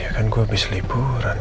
iya kan gue abis liburan